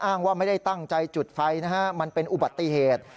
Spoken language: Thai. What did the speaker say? ว่าไม่ได้ตั้งใจจุดไฟนะฮะมันเป็นอุบัติเหตุ